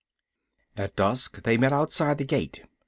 At dusk they met outside the gate.